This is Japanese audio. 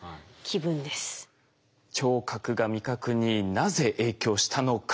聴覚が味覚になぜ影響したのか？